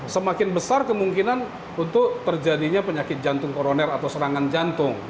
semakin besar kemungkinan untuk terjadinya penyakit jantung koroner atau serangan jantung